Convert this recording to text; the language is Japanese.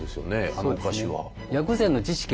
あのお菓子は。